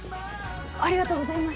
ありがとうございます。